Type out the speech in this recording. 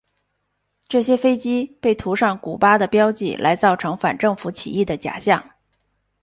这些飞机被涂上古巴的标记来造成反政府起义的假象。